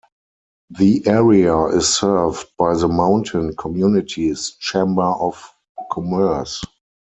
The area is served by the Mountain Communities Chamber of Commerce.